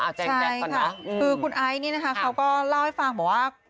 อ่าแจ๊งแจ๊กก่อนนะคือคุณไอ้นี่นะคะเขาก็เล่าให้ฟังบอกว่า